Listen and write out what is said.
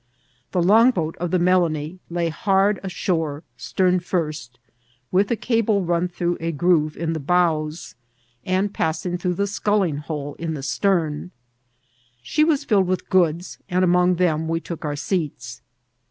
The longboat oi the Melanie lay hard ashore, stem first, with a cable run through a groove in the bows, and passing through the sculling hole in die stem. She was filled with goods, and amcmg them we took our seats.